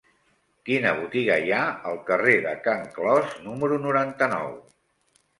Quina botiga hi ha al carrer de Can Clos número noranta-nou?